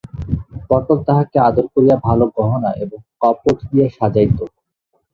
পটল তাহাকে আদর করিয়া ভালো গহনা এবং কপড় দিয়া সাজাইত।